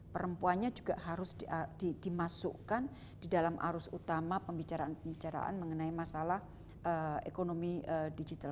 perempuannya juga harus dimasukkan di dalam arus utama pembicaraan pembicaraan mengenai masalah ekonomi digital